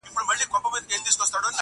د محبت دار و مدار کي خدايه